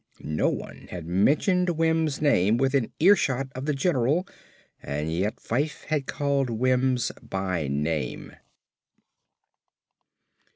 _No one had mentioned Wims' name within earshot of the general and yet Fyfe had called Wims by name!